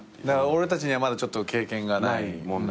だから俺たちにはまだちょっと経験がない。